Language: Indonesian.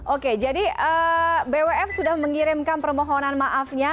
oke jadi bwf sudah mengirimkan permohonan maafnya